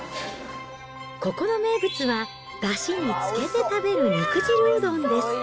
ここの名物は、だしにつけて食べる肉汁うどんです。